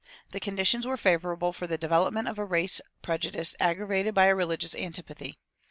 The conditions were favorable for the development of a race prejudice aggravated by a religious antipathy.